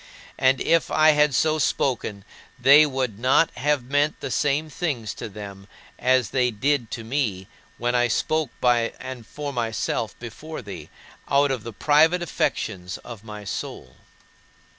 And if I had so spoken, they would not have meant the same things to them as they did to me when I spoke by and for myself before thee, out of the private affections of my soul.